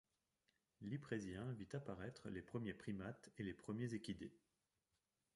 L'Yprésien vit apparaître les premiers primates et les premiers équidés.